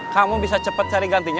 kamu bisa cepat cari gantinya